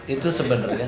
itu sebenarnya sebuah